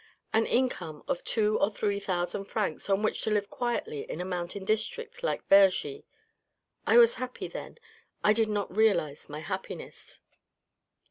An income of two or three thousand francs, on which to live quietly in a mountain district, like Vergy. .. I was happy then. .. I did not realise my happiness."